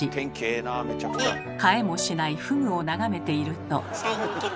買えもしないフグを眺めていると。